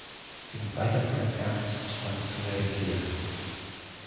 Wir sind weit davon entfernt, unsere Träume zu realisieren.